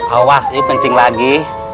awas ini pencing lagi